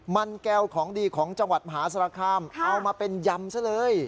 มันแก้วของดีของจังหวัดมหาสารคามเอามาเป็นยำซะเลย